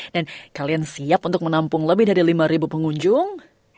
dan kalian siap untuk menampung lebih dari lima pengunjung